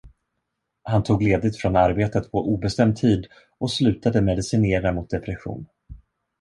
Han tog ledigt från arbetet på obestämd tid och slutade medicinera mot depression.